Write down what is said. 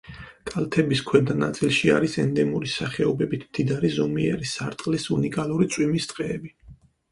კალთების ქვედა ნაწილში არის ენდემური სახეობებით მდიდარი ზომიერი სარტყლის უნიკალური წვიმის ტყეები.